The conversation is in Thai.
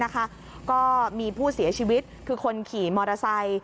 ก็มีผู้เสียชีวิตคือคนขี่มอเตอร์ไซค์